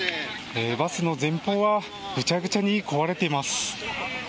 バスの前方はぐちゃぐちゃに壊れています。